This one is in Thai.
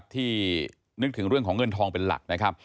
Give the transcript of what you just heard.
ที่นึกถึงเรื่องของเงินทองเป็นหลักนะครับ